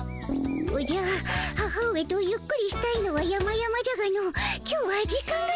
おじゃ母上とゆっくりしたいのはやまやまじゃがの今日は時間がないでおじゃる。